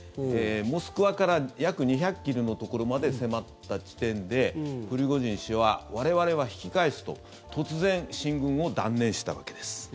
モスクワから約２００ｋｍのところまで迫った地点でプリゴジン氏は我々は引き返すと突然、進軍を断念したわけです。